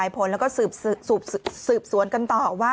คุณผู้ชมฟังเสียงผู้หญิง๖ขวบโดนนะคะ